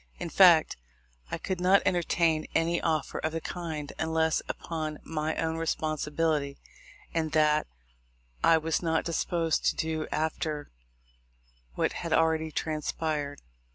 In fact, I could not entertain any offer of the kind, unless upon my own responsibility ; and that I was not disposed to do after what had already trans pired.